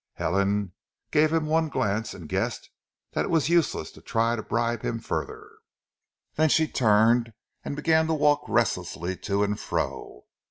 Helen gave him one glance and guessed that it was useless to try to bribe him further, then she turned and began to walk restlessly to and fro.